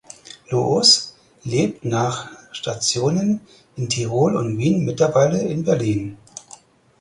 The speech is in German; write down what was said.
Loos lebt nach Stationen in Tirol und Wien mittlerweile in Berlin.